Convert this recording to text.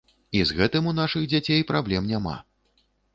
І з гэтым у нашых дзяцей праблем няма.